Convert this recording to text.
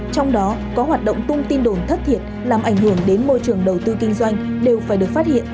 trong đó có hoạt động tung tin đồn thất thiệt làm ảnh hưởng đến môi trường đầu tư kinh doanh đều phải được phát hiện